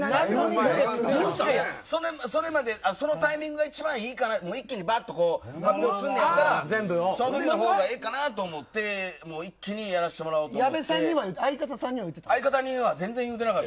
そのタイミングが一番いいかなって一気に発表すんねやったらそのときの方がいいかなと思って一気にやらしてもらおうと思って。